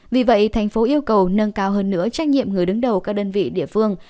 vì vậy tp yêu cầu nâng cao hơn nữa trách nhiệm người đứng đầu các đơn vị địa phương